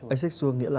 asexual nghĩa là